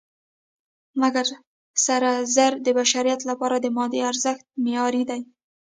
مګر سره زر د بشریت لپاره د مادي ارزښت معیار دی.